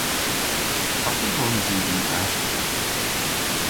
Fatel wrons i y aswon?